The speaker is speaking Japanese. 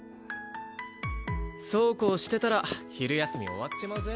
そうこうしてたら昼休み終わっちまうぜ。